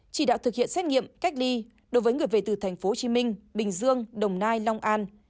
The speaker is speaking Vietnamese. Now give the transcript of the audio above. chỉ đạo thực hiện xét nghiệm cách ly đối với người về từ tp hcm bình dương đồng nai long an